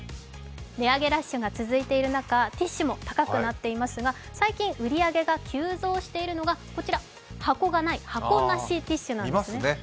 値上げラッシュが続いている中、ティッシュも高くなっていますが最近、売り上げが急増しているのがこちら、箱がない箱なしティッシュなんです。